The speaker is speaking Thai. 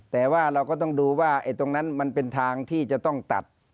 แต่ว่าเราก็ต้องดูว่าตรงนั้นมันเป็นทางที่จะต้องตัด